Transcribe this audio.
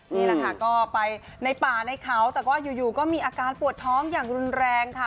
นี่แหละค่ะก็ไปในป่าในเขาแต่ว่าอยู่ก็มีอาการปวดท้องอย่างรุนแรงค่ะ